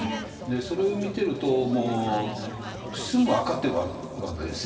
それを見ているとすぐ分かっているわけです。